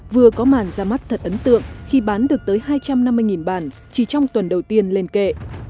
vừa có màn ra mắt thật ấn tượng khi bán được tới hai trăm năm mươi bản chỉ trong tuần đầu tiên lên kệ